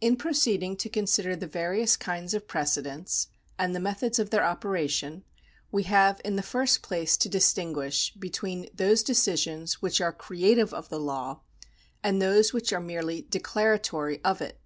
In proceeding to consider the various kinds of precedents and the methods of their operation, we have in the first place to distinguish between those decisions which are creative of the law and those which are merely declaratory of it.